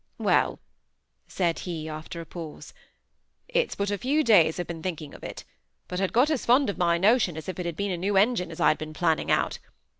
"Well," said he, after a pause. "It's but a few days I've been thinking of it, but I'd got as fond of my notion as if it had been a new engine as I'd been planning out.